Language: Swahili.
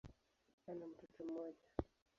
Ana mtoto mmoja.